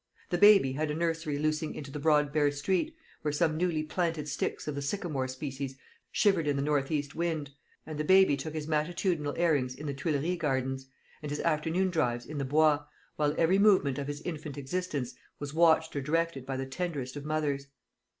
The baby had a nursery loosing into the broad bare street, where some newly planted sticks of the sycamore species shivered in the north east wind; and the baby took his matutinal airings in the Tuileries Gardens, and his afternoon drives in the Bois, while every movement of his infant existence was watched or directed by the tenderest of mothers.